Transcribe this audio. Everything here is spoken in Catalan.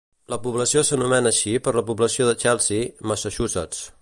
La població s'anomena així per la població de Chelsea, Massachusetts.